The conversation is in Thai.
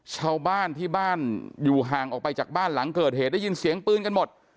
ชาวบ้านที่บ้านอยู่ห่างออกไปจากบ้านหลังเกิดเหตุได้ยินเสียงปืนกันหมด